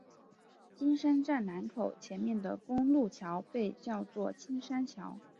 金山站南口前面的公路桥被叫做金山桥。